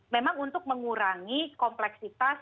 memang untuk mengurangi kompleksitas